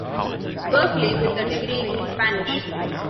Berkeley with a degree in Spanish.